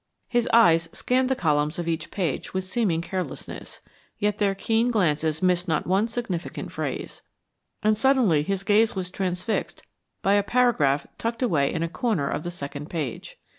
His eyes scanned the columns of each page with seeming carelessness, yet their keen glances missed not one significant phrase. And suddenly his gaze was transfixed by a paragraph tucked away in a corner of the second page.